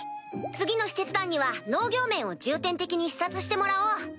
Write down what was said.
次の使節団には農業面を重点的に視察してもらおう。